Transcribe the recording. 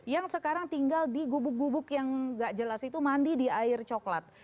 yang sekarang tinggal di gubuk gubuk yang gak jelas itu mandi di air coklat